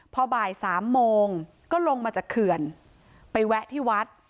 พอบ่ายสามโมงก็ลงมาจากเขื่อนไปแวะที่วัด